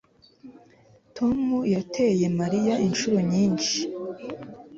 Tom yateye Mariya inshuro nyinshi